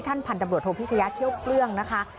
ท่านพันธุ์ดำรวชโภพิชยะเขี่ยวเครื่องนะคะ